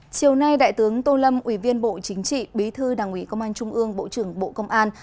chiều nay đại tướng tô lâm ủy viên bộ chính trị bí thư đảng ủy công an trung ương bộ trưởng bộ công an